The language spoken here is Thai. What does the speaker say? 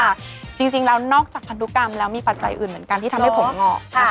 จริงแล้วนอกจากพันธุกรรมแล้วมีปัจจัยอื่นเหมือนกันที่ทำให้ผมงอกค่ะ